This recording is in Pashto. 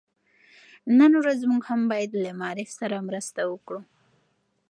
نن ورځ موږ هم بايد له معارف سره مرسته وکړو.